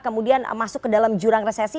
kemudian masuk ke dalam jurang resesi